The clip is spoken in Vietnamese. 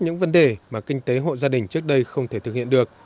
những vấn đề mà kinh tế hộ gia đình trước đây không thể thực hiện được